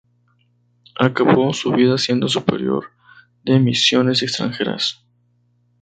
Acabó su vida siendo superior de Misiones extranjeras.